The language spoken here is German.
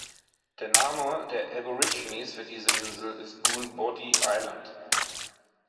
Der Name der Aborigines für diese Insel ist Goolboddi Island.